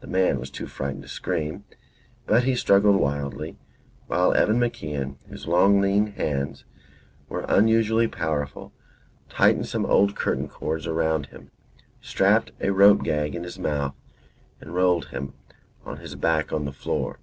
The man was too frightened to scream, but he struggled wildly, while Evan MacIan, whose long, lean hands were unusually powerful, tightened some old curtain cords round him, strapped a rope gag in his mouth and rolled him on his back on the floor.